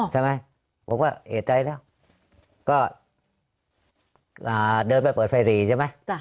ใช่ไหมบอกว่าเอ่ยใจแล้วก็อ่าเดินไปเปิดไฟหลีใช่ไหมจ้ะ